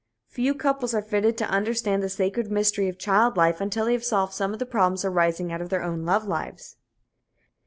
Few couples are fitted to understand the sacred mystery of child life until they have solved some of the problems arising out of their own love lives.